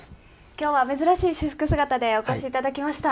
きょうは珍しい私服姿でお越しいただきました。